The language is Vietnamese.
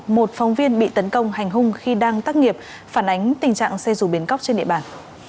một phóng viên bị tấn công hành hung khi đang tắt nghiệp phản ánh tình trạng xe dù biến cóc trên địa bàn